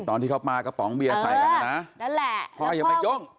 ตอนที่เขาปลากระป๋องเบียร์ใส่กันนะนะนั่นแหละพ่ออย่ามายุ่ง